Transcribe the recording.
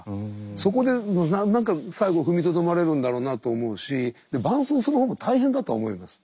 そこで何か最後踏みとどまれるんだろうなと思うし伴走するほうも大変だと思います。